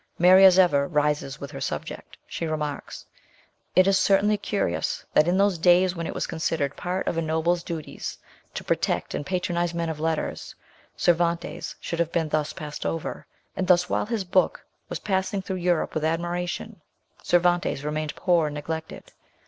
Mary, as ever, rises with her subject. She remarks :" It is certainly curious that in those days when it was considered part of a noble's duties to protect and patronise men of letters, Cervantes should have been thus passed over ; and thus while his book was passing through Europe with admiration, Cervantes remained poor and neglected.